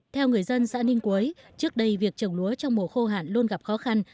theo người dân xã ninh quế trước đây việc trồng lúa trong mùa khô hạn luôn gặp khó khăn